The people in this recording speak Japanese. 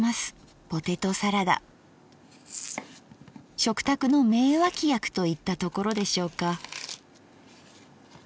食卓の名脇役といったところでしょうか。